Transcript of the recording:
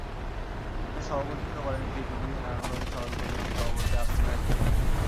এতে সভাপতিত্ব করেন সিপিবি নারায়ণগঞ্জ শহর কমিটির সভাপতি আবদুল হাই শরীফ।